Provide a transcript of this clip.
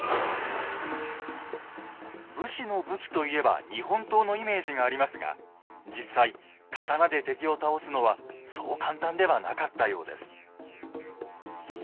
武士の武器といえば日本刀のイメージがありますが実際刀で敵を倒すのはそう簡単ではなかったようです。